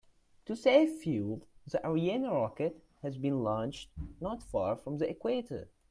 To save fuel, the Ariane rocket has been launched not far from the equator.